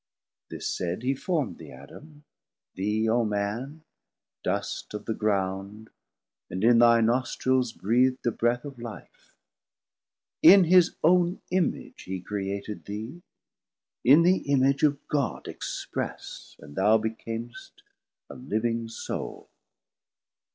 This said, he formd thee, Adam, thee O Man Dust of the ground, and in thy nostrils breath'd The breath of Life; in his own Image hee Created thee, in the Image of God Express, and thou becam'st a living Soul.